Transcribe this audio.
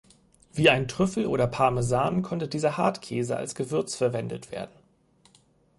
Wie ein Trüffel oder Parmesan konnte dieser Hartkäse als Gewürz verwendet werden.